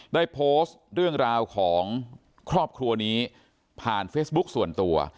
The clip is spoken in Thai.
ได้โพสต์เรื่องราวของครอบครัวนี้ผ่านเฟซบุ๊คส่วนตัว